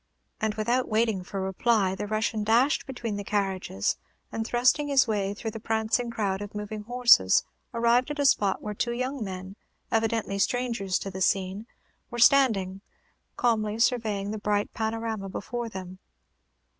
And, without waiting for reply, the Russian dashed between the carriages, and thrusting his way through the prancing crowd of moving horses, arrived at a spot where two young men, evidently strangers to the scene, were standing, calmly surveying the bright panorama before them.